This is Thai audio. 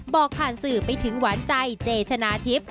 บอกผ่านสื่อไปถึงหวานใจเจชนะทิพย์